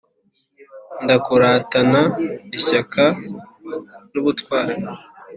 Ndakuratana ishyaka n’ubutwari.